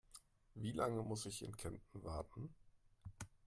Wie lange muss ich in Kempten warten?